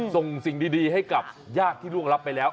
ส่งสิ่งดีให้กับญาติที่ร่วงรับไปแล้ว